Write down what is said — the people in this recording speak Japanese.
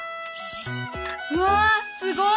うわすごい！